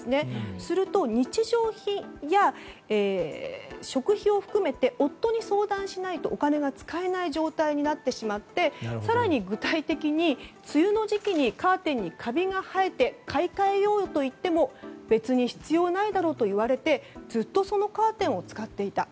すると日常品や食費を含めて夫に相談しないと、お金が使えない状態になってしまって更に、具体的には梅雨の時期にカーテンにカビが生えて買い替えようといっても別に必要ないだろと言われてずっとそのカーテンを使っていたと。